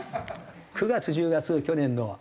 ９月１０月去年の。